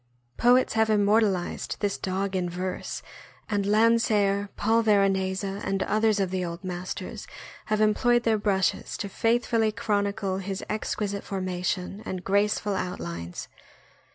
Poets have immortalized this dog in verse, and Land seer, Paul Veronese, and others of the old masters have employed their brushes to faithfully chronicle his exquisite formation and graceful outlines.